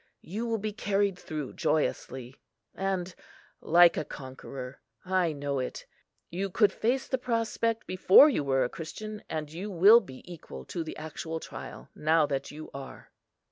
You will be carried through joyously, and like a conqueror. I know it. You could face the prospect before you were a Christian, and you will be equal to the actual trial, now that you are."